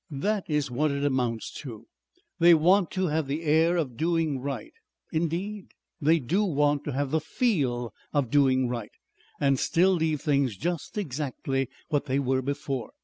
"That is what it amounts to. They want to have the air of doing right indeed they do want to have the FEEL of doing right and still leave things just exactly what they were before.